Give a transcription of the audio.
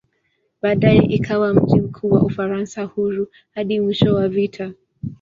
Baadaye ikawa mji mkuu wa "Ufaransa Huru" hadi mwisho wa vita.